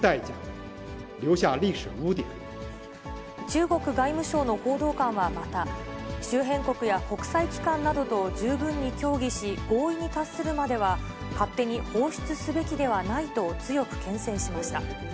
中国外務省の報道官はまた、周辺国や国際機関などと十分に協議し、合意に達するまでは、勝手に放出すべきではないと強くけん制しました。